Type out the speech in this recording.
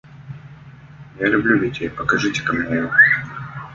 Я люблю детей: покажите-ка мне его.